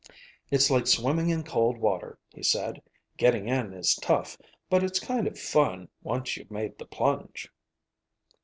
"It's like swimming in cold water," he said. "Getting in is tough, but it's kind of fun once you've made the plunge."